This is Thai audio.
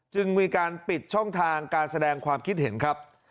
จึงมีการปิดช่องทางการแสดงความคิดเห็นครับ